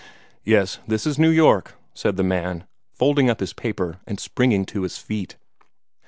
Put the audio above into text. "Yes, this is New York," said the man, folding up his paper, and springing to his feet.